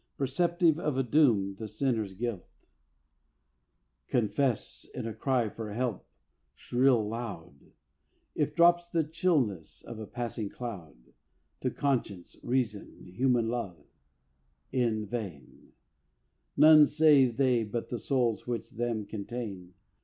Perceptive of a doom, the sinner's guilt Confesses in a cry for help shrill loud, If drops the chillness of a passing cloud, To conscience, reason, human love; in vain: None save they but the souls which them contain.